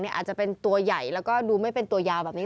อาจจะเป็นตัวใหญ่แล้วก็ดูไม่เป็นตัวยาวแบบนี้